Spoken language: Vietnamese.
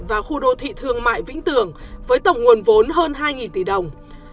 và khu đô thị thương mại vĩnh tường với tổng nguồn vốn hơn hai tỷ đồng